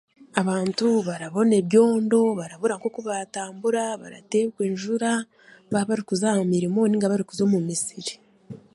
Abantu barabona ebyondo, barabura oku baatambura barategwa enjura baababarikuza aha mirimo nainga barikuza omu misiri